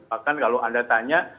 bahkan kalau anda tanya